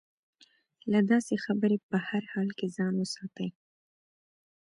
له داسې خبرې په هر حال کې ځان وساتي.